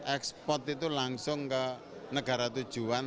ekspor itu langsung ke negara tujuan